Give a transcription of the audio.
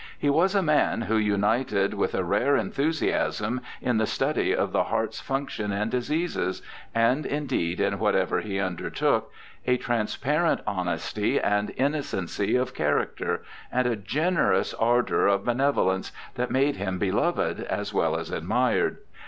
He was a man who united with a rare enthusiasm in the study of the heart's func tions and diseases— and, indeed, in whatever he under took—a transparent honesty and innocency of character, and a generous ardour of benevolence, that made him beloved as well as admired.